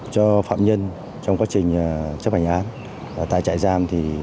cho phạm nhân trong quá trình chấp hành án tại trại giam